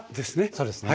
そうですね。